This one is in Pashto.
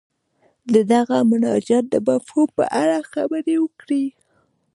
د دغه مناجات د مفهوم په اړه خبرې وکړي.